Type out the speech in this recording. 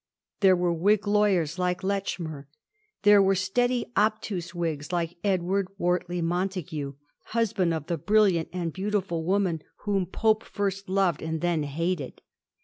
There were Whig lawyers, like Lechmere ; there were steady, obtuse Whigs, like Edward Wortley Montagu, husband of the brilliant and beautiM woman whom Pope first loved and then hated.